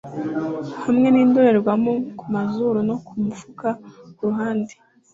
hamwe nindorerwamo kumazuru no kumufuka kuruhande;